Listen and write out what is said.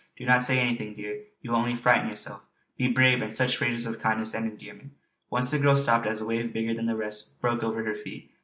Do not say anything, dear. You will only frighten yourself. Be brave!" and such phrases of kindness and endearment. Once the girl stopped as a wave bigger than the rest broke over her feet.